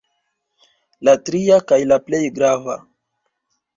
La tria, kaj la plej grava.